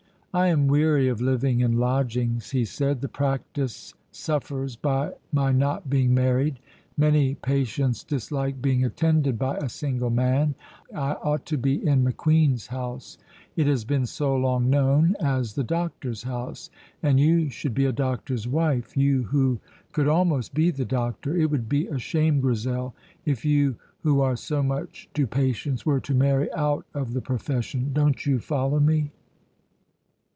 "I am weary of living in lodgings," he said. "The practice suffers by my not being married. Many patients dislike being attended by a single man. I ought to be in McQueen's house; it has been so long known as the doctor's house. And you should be a doctor's wife you who could almost be the doctor. It would be a shame, Grizel, if you who are so much to patients were to marry out of the profession. Don't you follow me?"